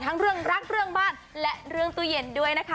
ทั้งเรื่องรักเรื่องบ้านและเรื่องตู้เย็นด้วยนะคะ